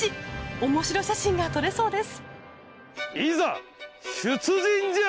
おもしろ写真が撮れそうです